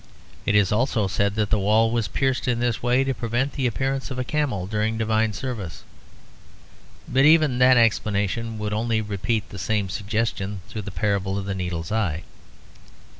It is also said that the wall was pierced in this way to prevent the appearance of a camel during divine service, but even that explanation would only repeat the same suggestion through the parable of the needle's eye.